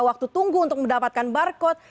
waktu tunggu untuk mendapatkan barcode